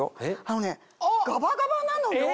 あのねガバガバなのよ！